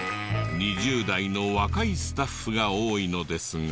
２０代の若いスタッフが多いのですが。